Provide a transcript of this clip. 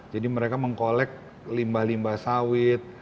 mereka mengkolek limbah limbah sawit